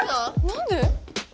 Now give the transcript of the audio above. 何で？